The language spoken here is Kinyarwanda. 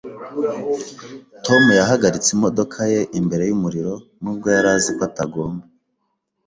Tom yahagaritse imodoka ye imbere y’umuriro nubwo yari azi ko atagomba